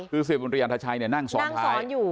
คือสิบมนตรีอันทชัยนั่งซ้อนท้าย